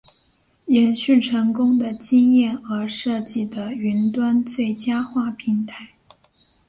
延续成功的经验而设计的云端最佳化平台。